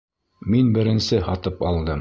Мин беренсе һатып алдым!